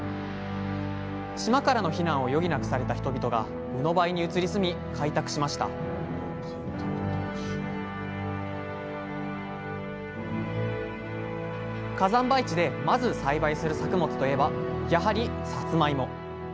島からの避難を余儀なくされた人々がうのばいに移り住み開拓しました火山灰地でまず栽培する作物といえばやはりさつまいも。